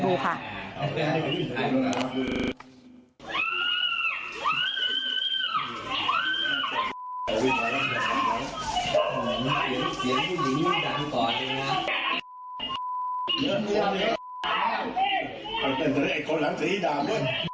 กลุ่มวัยรุ่นฝั่งพระแดง